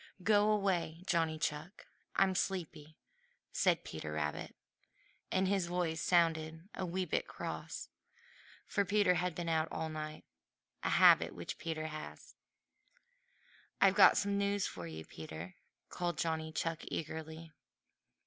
"Go away, Johnny Chuck! I'm sleepy," said Peter Rabbit, and his voice sounded just a wee bit cross, for Peter had been out all night, a habit which Peter has. "I've got some news for you, Peter," called Johnny Chuck eagerly.